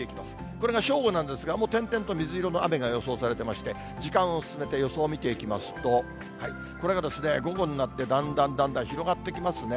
これが正午なんですが、もう点々と水色の雨が予想されてまして、時間を進めて予想を見ていきますと、これが午後になって、だんだんだんだん広がってきますね。